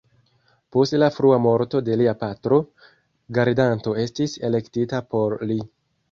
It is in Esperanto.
Post la frua morto de lia patro, gardanto estis elektita por li.